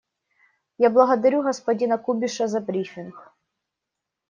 Я благодарю господина Кубиша за брифинг.